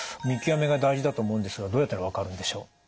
見極めが大事だと思うんですがどうやったら分かるんでしょう？